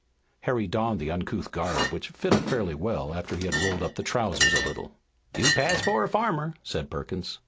Harry donned the uncouth garb, which fitted fairly well after he had rolled up the trousers a little. "You'd pass for a farmer," said Perkins.